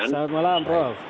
selamat malam prof